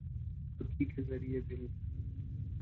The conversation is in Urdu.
پھکی کے زریعے بل